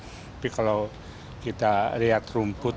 tapi kalau kita lihat rumput